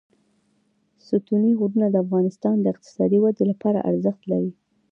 ستوني غرونه د افغانستان د اقتصادي ودې لپاره ارزښت لري.